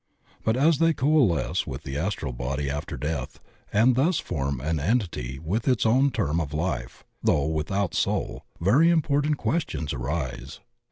But as they coalesce with the astral body after death and thus form an entity with its own term of life, though without soul, very important questions arise.